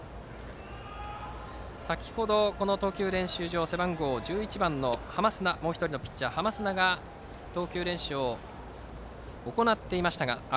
先ほど投球練習場背番号１１番もう１人のピッチャーである濱砂が投球練習を行っていました。